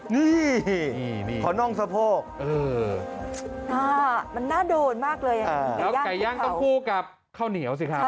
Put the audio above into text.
นี่ขอน่องสะโพกมันน่าโดนมากเลยอ่ะแล้วไก่ย่างต้องคู่กับข้าวเหนียวสิครับ